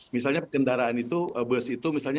misalnya kendaraan itu bus itu misalnya